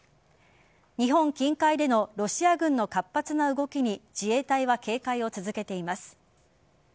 日本近海でのロシア軍の活発な動きに自衛隊は警戒を続けています。